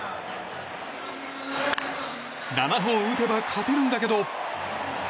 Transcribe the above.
７本打てば勝てるんだけど。